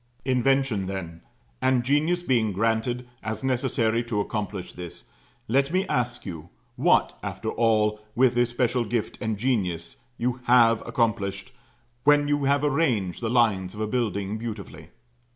Invention, then, and genius being granted, as necessary to accomplish this, let me ask you, What, after all, with this special gift and genius, you have accomplished, when you have arranged the lines of a building beautifully?